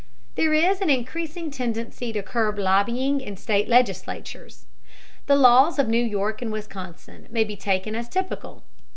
There is an increasing tendency to curb lobbying in state legislatures. The laws of New York and Wisconsin may be taken as typical.